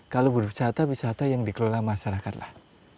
kalau berwisata wisata yang dikelola masyarakat lah